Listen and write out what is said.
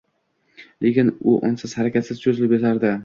Lekin u unsiz, harakatsiz cho`zilib yotardi